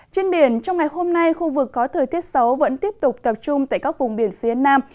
trên biển trong ngày hôm nay khu vực có thời tiết xấu vẫn tiếp tục tập trung tại các vùng biển phía nam